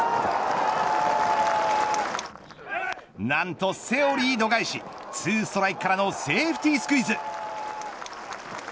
何とセオリー度外視２ストライクからのセーフティスクイズ。